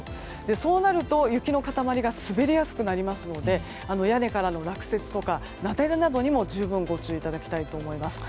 そうなると雪の塊が滑りやすくなりますので屋根からの落雪とか、雪崩など十分ご注意いただきたいと思います。